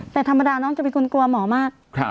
แต่ธรรมดาน้องจะเป็นคนกลัวหมอมาก